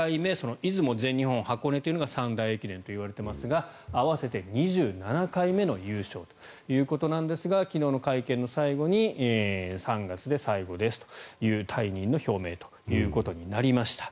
出雲、全日本、箱根というのが三大駅伝と言われていますが合わせて２７回目の優勝ということなんですが昨日の会見の最後に３月で最後ですという退任の表明となりました。